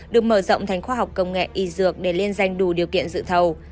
được mở rộng thành khoa học công nghệ y dược để liên danh đủ điều kiện dự thầu